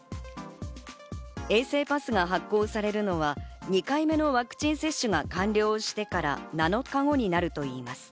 衛生パスが発行されるのは２回目のワクチン接種が完了してから７日後になるといいます。